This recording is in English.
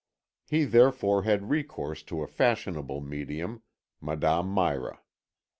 He therefore had recourse to a fashionable medium, Madame Mira.